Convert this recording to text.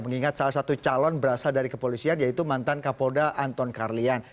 mengingat salah satu calon berasal dari kepolisian yaitu mantan kapolda anton karlian